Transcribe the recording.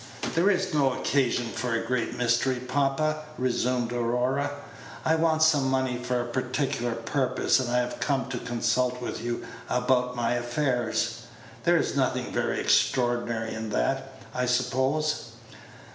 "There is no occasion for a great mystery, papa," resumed Aurora; "I want some money for a particular purpose, and I have come to consult with you about my affairs. There is nothing very extraordinary in that, I suppose?"